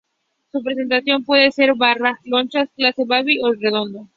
Su presentación puede ser en barra, lonchas, clase baby o redondo.